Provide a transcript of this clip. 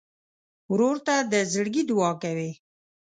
ورور ته د زړګي دعاء کوې.